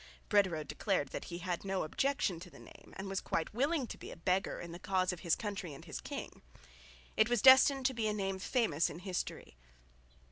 Brederode declared that he had no objection to the name and was quite willing to be "a beggar" in the cause of his country and his king. It was destined to be a name famous in history.